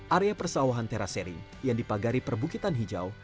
area persawahan teras sering yang dipagari perbukitan hijau